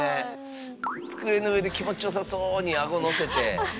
机の上で気持ちよさそにあごのせて。